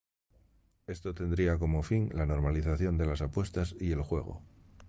Esto tendría como fin la normalización de las apuestas y el juego.